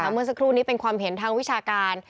เมื่อสักครู่นี้เป็นความเห็นทางวิชาการ